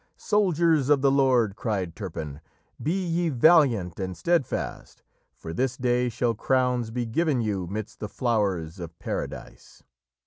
"'Soldiers of the Lord,' cried Turpin, 'Be ye valiant and steadfast, For this day shall crowns be given you Midst the flowers of Paradise.